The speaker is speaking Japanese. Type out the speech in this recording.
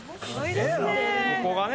ここがね